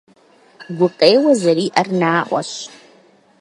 Гукъеуэ зэриӏэр наӏуэщ.